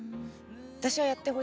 私はやってほしい。